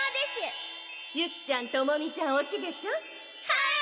はい！